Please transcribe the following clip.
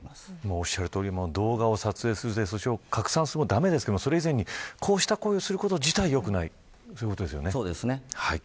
おっしゃるとおりで動画を撮影して拡散することも駄目ですがこうした行為をすること自体がよくないということですよね。